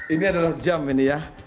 ini adalah jam ini ya